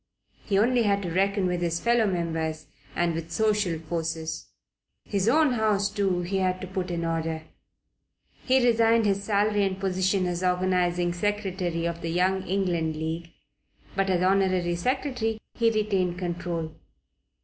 He only had to reckon with his fellow members and with social forces. His own house too he had to put in order. He resigned his salary and position as Organizing Secretary of the Young England League, but as Honorary Secretary he retained control.